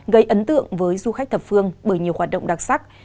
gây ấn tượng với du khách thập phương bởi nhiều hoạt động đặc sắc